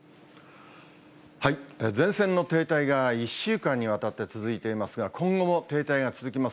前線の停滞が１週間にわたって続いていますが、今後も停滞が続きます。